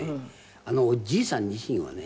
あのじいさん自身はね